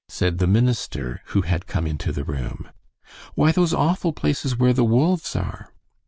said the minister, who had come into the room. "Why, those awful places where the wolves are."